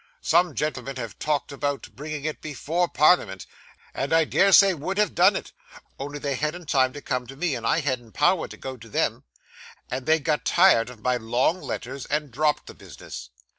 Some gentlemen have talked of bringing it before Parliament, and I dare say would have done it, only they hadn't time to come to me, and I hadn't power to go to them, and they got tired of my long letters, and dropped the business.